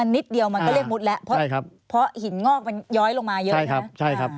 ใช่เชือกนำทางใช่ครับ